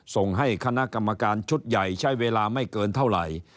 ส่งให้คณะกรรมการชุดใหญ่ใช้เวลาไม่เกินเท่าไหร่